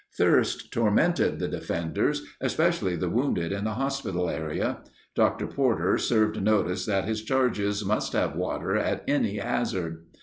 Thirst tormented the defenders, especially the wounded in the hospital area. Dr. Porter served notice that his charges must have water at any hazard.